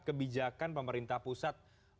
kebijakan pemerintah pusat